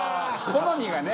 好みがね。